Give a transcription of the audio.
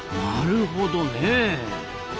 なるほどねえ。